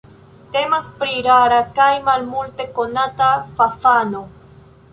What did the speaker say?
Temas pri rara kaj malmulte konata fazano.